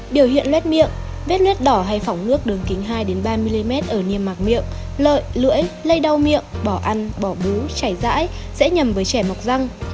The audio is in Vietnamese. biểu hiện lết miệng vết lết đỏ hay phỏng nước đường kính hai ba mm ở niêm mạc miệng lợi lưỡi lây đau miệng bỏ ăn bỏ bú chảy rãi dễ nhầm với trẻ mọc răng